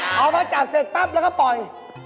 เอามาจับเสร็จปั๊บแล้วก็ปล่อย